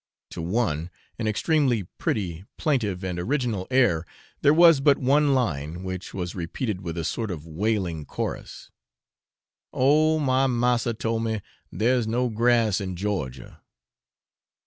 To one, an extremely pretty, plaintive, and original air, there was but one line, which was repeated with a sort of wailing chorus Oh! my massa told me, there's no grass in Georgia.